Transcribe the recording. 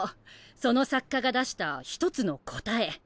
その作家が出した一つの答え。